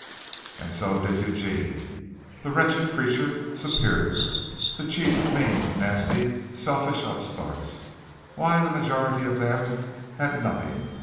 And so did Eugene, the wretched creature! Superior! The cheap, mean, nasty, selfish upstarts! Why, the majority of them had nothing.